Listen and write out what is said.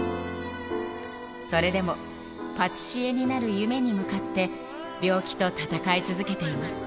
それでも、パティシエになる夢に向かって、病気と闘い続けています。